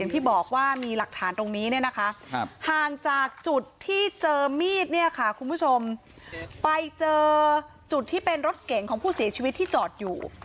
ที่บอกว่ามีหลักฐานตรงนี้เนี่ยนะคะห่างจากจุดที่เจอมีดเนี่ยค่ะคุณผู้ชมไปเจอจุดที่เป็นรถเก่งของผู้เสียชีวิตที่จอดอยู่